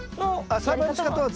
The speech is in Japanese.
あっ！